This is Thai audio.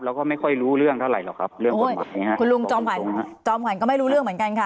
แล้วก็ไม่ค่อยรู้เรื่องเท่าไหรหรอกครับเรื่องประวัตินี้ฮะคุณลุงจอมขวัญจอมขวัญก็ไม่รู้เรื่องเหมือนกันค่ะ